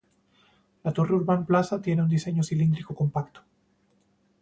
La Torre Urban Plaza tiene un diseño cilíndrico compacto.